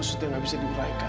atau yang gak bisa diperaikan